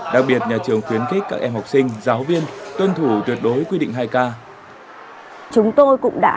đã ghi nhận hàng trăm học sinh và giáo viên đã mắc bệnh covid một mươi chín